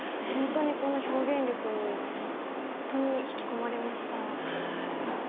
本当に、この表現力に本当に引き込まれました。